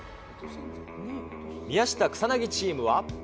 宮下草薙チームは。